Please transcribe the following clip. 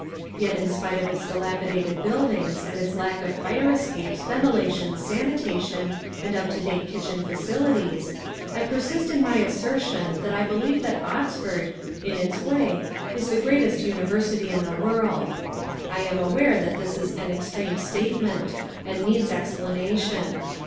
Yet in spite of its dilapidated buildings and its lack of fire escapes, ventilation, sanitation, and up to date kitchen facilities, I persist in my assertion that I believe that Oxford, in its way, is the greatest university in the world. I am aware that this is an extreme statement and needs explanation.